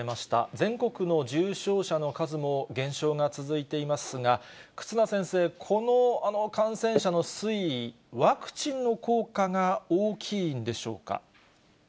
全国の重症者の数も減少が続いていますが、忽那先生、この感染者の推移、ワクチンの効果が大きいんでしょうか。